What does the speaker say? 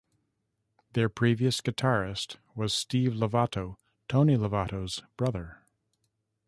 Their previous guitarist was Steve Lovato, Tony Lovato's brother.